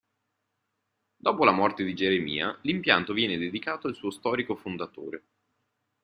Dopo la morte di Geremia l'impianto viene dedicato al suo storico fondatore.